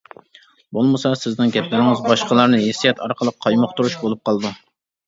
بولمىسا سىزنىڭ گەپلىرىڭىز باشقىلارنى ھېسسىيات ئارقىلىق قايمۇقتۇرۇش بولۇپ قالىدۇ.